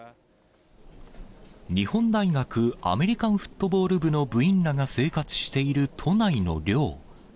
日本大学アメリカンフットボール部の部員らが生活している都内の寮。